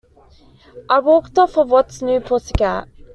I walked off of What's New, Pussycat?